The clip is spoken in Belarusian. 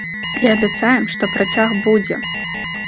І абяцаем, што працяг будзе!